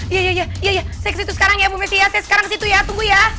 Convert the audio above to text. iya iya iya iya iya saya kesitu sekarang ya bu messi ya saya sekarang kesitu ya tunggu ya